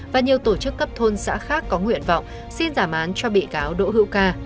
và nhiều tổ chức cấp thôn xã khác có nguyện vọng xin giảm án cho bị cáo đỗ hữu ca